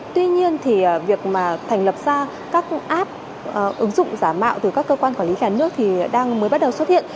tuy nhiên thì việc mà thành lập ra các app ứng dụng giả mạo từ các cơ quan quản lý nhà nước thì đang mới bắt đầu xuất hiện